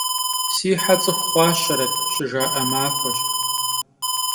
Si he ts'ıxu xhuaşeret! — şıjja'e maxueş.